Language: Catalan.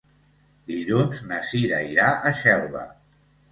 Dilluns na Cira irà a Xelva.